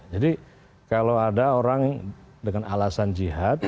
jadi kalau ada orang dengan alasan jihad